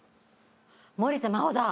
森田真帆だ。